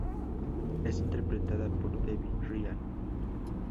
Es interpretada por Debby Ryan.